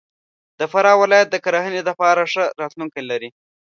د فراه ولایت د کرهنې دپاره ښه راتلونکی لري.